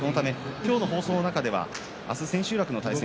今日の放送の中では明日、千秋楽の取組